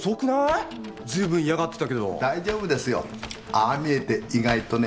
ああ見えて意外とね。